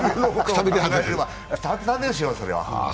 くたくたですよ、それは。